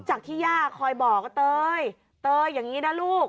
จากที่ย่าคอยบอกว่าเตยเตยอย่างนี้นะลูก